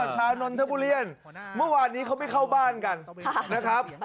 อ๋อชาวนอนทะบุเรียนเมื่อวานี้เขาไปเข้าบ้านกันนะครับ